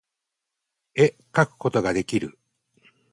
絵描くことができる